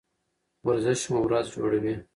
ورزش مو ورځ جوړوي.